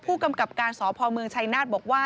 ผู้กำกับการสพเมืองชัยนาฏบอกว่า